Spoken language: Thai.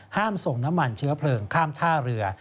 ส่งน้ำมันเชื้อเพลิงข้ามท่าเรือ